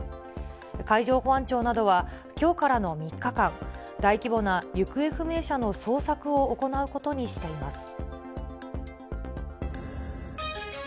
海上保安庁などはきょうからの３日間、大規模な行方不明者の捜索を行うことにしています。